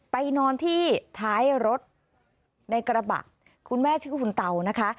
ไปนอนที่ท้ายรถในกระบะคุณแม่ชื่อคุณเตานะคะ